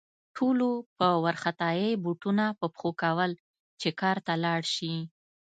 ټولو په وارخطايي بوټونه په پښو کول چې کار ته لاړ شي